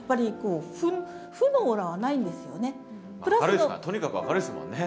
明るいですからとにかく明るいですもんね。